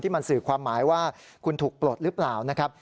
มันสื่อความหมายว่าคุณถูกปลดหรือเปล่านะครับ